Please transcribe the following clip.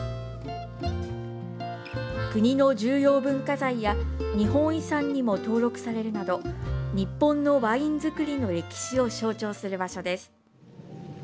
国の重要文化財や日本遺産にも登録されるなど日本のワイン造りの歴史を象徴する場所です。